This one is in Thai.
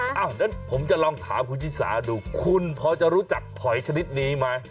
อย่างนั้นผมจะลองถามคุณชิสาดูคุณพอจะรู้จักหอยชนิดนี้ไหม